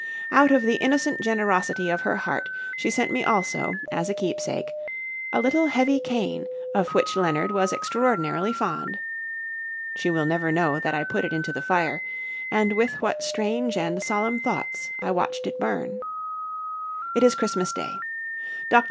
Out of the innocent generosity of her heart she sent me also, as a keepsake, "a little heavy cane, of which Leonard was extraordinarily fond." She will never know that I put it into the fire, and with what strange and solemn thoughts I watched it burn. It is Christmas Day. Dr.